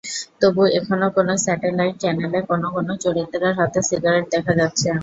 তবু এখনো কোনো স্যাটেলাইট চ্যানেলে কোনো কোনো চরিত্রের হাতে সিগারেট দেখা যাচ্ছে।